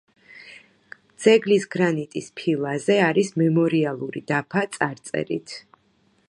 ძეგლის გრანიტის ფილაზე არის მემორიალური დაფა წარწერით.